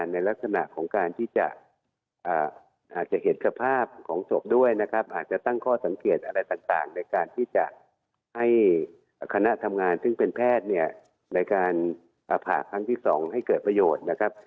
ในการที่จะให้คณะทำงานซึ่งเป็นแพทย์ในการผ่าครั้งที่สองให้เกิดประโยชน์นะครับ